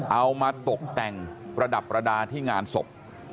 เอามาตกแต่งประดับประดาษที่งานศพ